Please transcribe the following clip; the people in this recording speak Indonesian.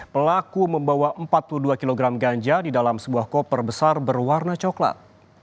pelaku membawa empat puluh dua kg ganja di dalam sebuah koper besar berwarna coklat